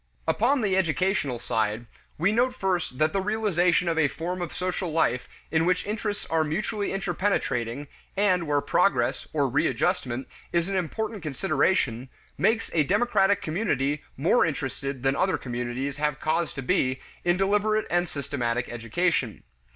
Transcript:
Upon the educational side, we note first that the realization of a form of social life in which interests are mutually interpenetrating, and where progress, or readjustment, is an important consideration, makes a democratic community more interested than other communities have cause to be in deliberate and systematic education.